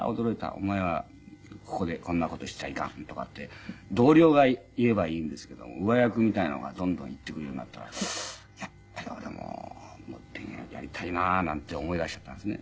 お前はここでこんな事しちゃいかん」とかって同僚が言えばいいんですけども上役みたいなのがどんどん言ってくるようになったらやっぱり俺ももう一遍やりたいななんて思いだしちゃったんですね。